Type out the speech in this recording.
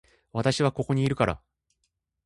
私はここにいるから